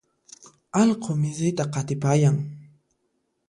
Allqu misita qatipayan.